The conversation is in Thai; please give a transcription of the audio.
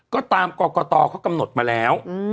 ก็ตามกรกตเขากำหนดมาแล้ว